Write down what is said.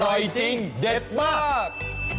อร่อยจริงเด็ดมาก